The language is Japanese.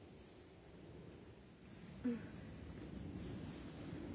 うん。